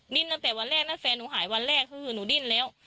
ดิ้นตั้งแต่วันแรกนะแฟนหนูหายวันแรกคือหนูดิ้นแล้ว